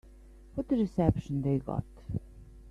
What a reception they got.